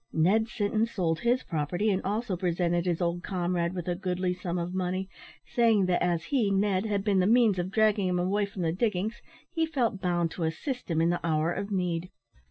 Ned Sinton sold his property, and also presented his old comrade with a goodly sum of money, saying, that as he, (Ned), had been the means of dragging him away from the diggings, he felt bound to assist him in the hour of need.